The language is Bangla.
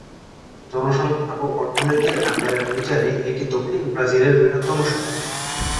জনসংখ্যা ও অর্থনীতির আকারের বিচারে এটি দক্ষিণ ব্রাজিলের বৃহত্তম শহর।